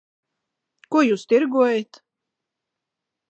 Ko jūs tirgojat?